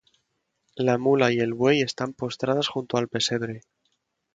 La mula y el buey están postradas junto al pesebre.